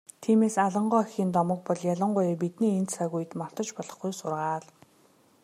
Тиймээс, Алан гоо эхийн домог бол ялангуяа бидний энэ цаг үед мартаж болохгүй сургаал.